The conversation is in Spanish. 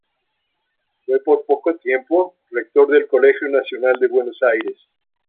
Fue, por poco tiempo, rector del Colegio Nacional de Buenos Aires.